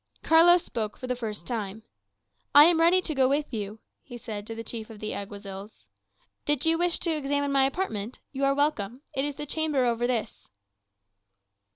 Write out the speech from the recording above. Carlos spoke for the first time. "I am ready to go with you," he said to the chief of the Alguazils. "Do you wish to examine my apartment? You are welcome. It is the chamber over this."